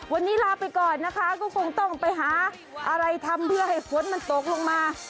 วันนี้ลาไปก่อนนะคะก็คงต้องไปหาอะไรทำเพื่อให้ฝนมันตกลงมา